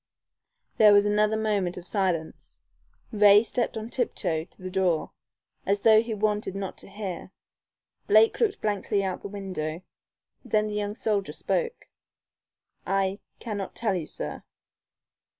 There was another moment of silence. Ray stepped on tiptoe to the door as though he wanted not to hear. Blake looked blankly out of the window. Then the young soldier spoke. "I cannot tell you, sir."